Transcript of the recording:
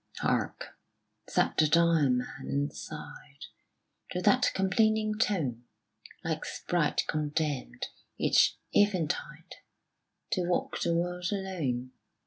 Hark, said the dying man, and sighed, To that complaining tone Like sprite condemned, each eventide, To walk the world alone.